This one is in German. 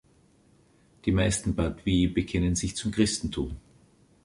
Die meisten Badwe'e bekennen sich zum Christentum.